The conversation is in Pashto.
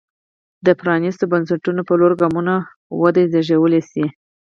د پرانېستو بنسټونو په لور ګامونه وده زېږولی شي.